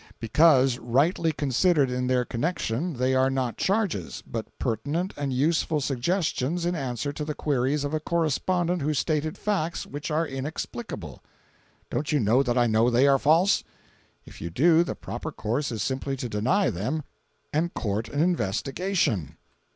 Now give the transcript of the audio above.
"Because rightly considered in their connection they are not charges, but pertinent and useful suggestions in answer to the queries of a correspondent who stated facts which are inexplicable." "Don't you know that I know they are false?" "If you do, the proper course is simply to deny them and court an investigation."